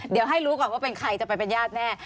เดี๋ยวให้รู้ก่อนว่าเป็นใครจะไปเป็นญาติแน่